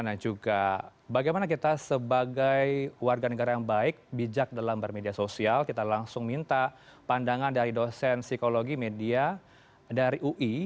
dan juga bagaimana kita sebagai warga negara yang baik bijak dalam bermedia sosial kita langsung minta pandangan dari dosen psikologi media dari ui